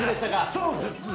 そうですね。